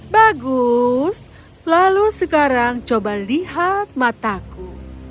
bagus lalu sekarang coba lihat mataku